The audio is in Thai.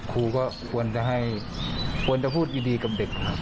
ครูก็ควรจะพูดดีกับเด็กครับ